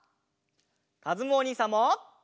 かずむおにいさんも。